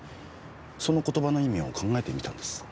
その言葉の意味を考えてみたんです。